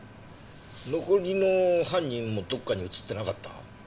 残りの犯人もどっかに映ってなかった？